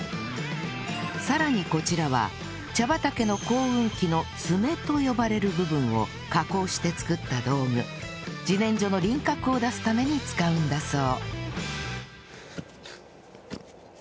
さらにこちらは茶畑の耕運機の爪と呼ばれる部分を加工して作った道具自然薯の輪郭を出すために使うんだそう